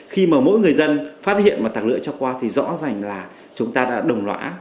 khi mà mỗi người dân phát hiện mà tạc lựa cho qua thì rõ ràng là chúng ta đã đồng lõa